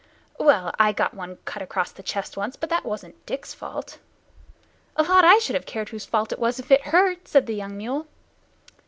"Well, I got one cut across the chest once, but that wasn't Dick's fault " "A lot I should have cared whose fault it was, if it hurt!" said the young mule.